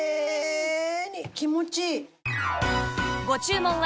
気持ちいい。